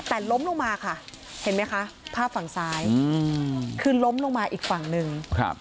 แต่ล้มลงมาค่ะเห็นไหมคะภาพฝั่งซ้ายคือล้มลงมาอีกฝั่งหนึ่ง